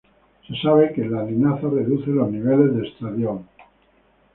Se sabe que la linaza reduce los niveles de estradiol.